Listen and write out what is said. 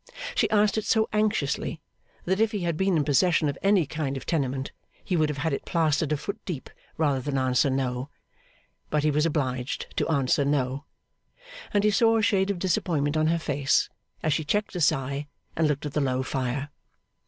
She asked it so anxiously, that if he had been in possession of any kind of tenement, he would have had it plastered a foot deep rather than answer No. But he was obliged to answer No; and he saw a shade of disappointment on her face, as she checked a sigh, and looked at the low fire.